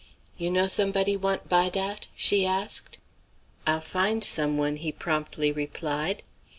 "You know sombodie want buy dat?" she asked. "I'll find some one," he promptly replied.